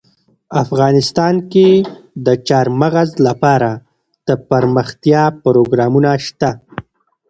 افغانستان کې د چار مغز لپاره دپرمختیا پروګرامونه شته.